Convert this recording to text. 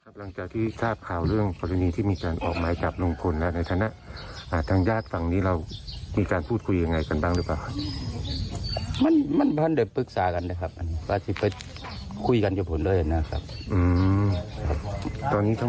เพิ่งมาปรากฏหลักฐานจนออกมาจับได้ทั้งที่ผ่านมาปีกว่าแล้ว